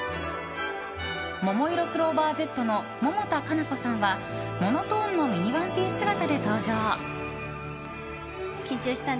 ももいろクローバーＺの百田夏菜子さんはモノトーンのミニワンピース姿で登場。